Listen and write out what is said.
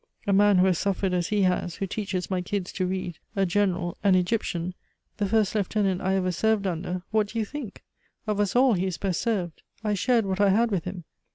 A man who has suffered as he has, who teaches my kids to read, a general, an Egyptian, the first lieutenant I ever served under What do you think? Of us all, he is best served. I shared what I had with him.